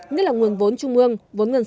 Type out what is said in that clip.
như là nguồn vốn